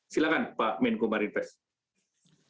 silakan pak menko maritim medan investasi lut binsar panjaitan